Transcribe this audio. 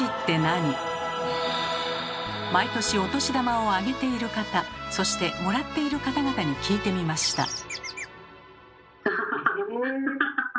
毎年お年玉をあげている方そしてもらっている方々に聞いてみました。